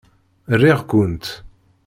Riɣ-kent.